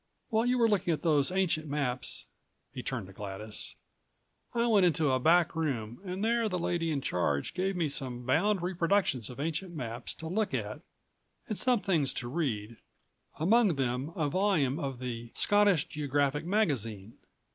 While you were looking at those ancient maps," he turned to Gladys, "I went into a191 back room and there the lady in charge gave me some bound reproductions of ancient maps to look at and some things to read, among them a volume of the 'Scottish Geographic Magazine.'